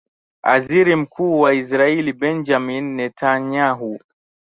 aziri mkuu wa israel benjamin netanyahu